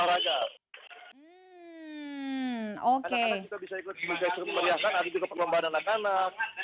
karena kita bisa ikut perhiasan ada juga perlombaan anak anak